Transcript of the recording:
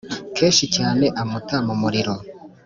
Kenshi cyane amuta mu muriro